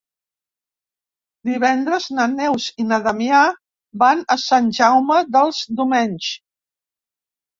Divendres na Neus i na Damià van a Sant Jaume dels Domenys.